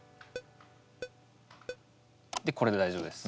でこれで大丈夫です。